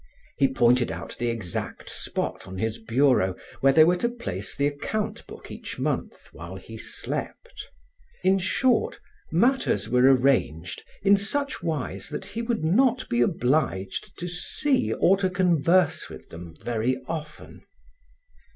He pointed out the exact spot on his bureau where they were to place the account book each month while he slept. In short, matters were arranged in such wise that he would not be obliged to see or to converse with them very often.